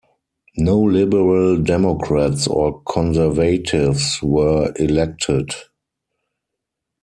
No Liberal Democrats or Conservatives were elected.